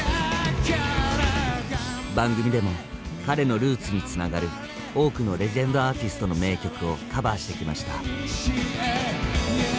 番組でも彼のルーツにつながる多くのレジェンドアーティストの名曲をカバーしてきました。